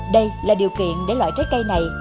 đây là điều kiện để loại trái cây này